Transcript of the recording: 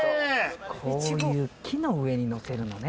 こういう木の上にのせるのね